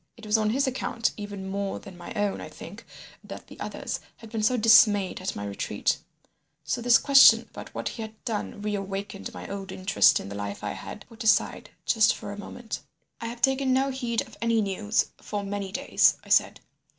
It was on his account even more than my own, I think, that the others had been so dismayed at my retreat. So this question about what he had done reawakened my old interest in the life I had put aside just for a moment. "'I have taken no heed of any news for many days,' I said.